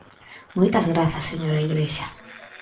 Moitas grazas, señora Igrexa.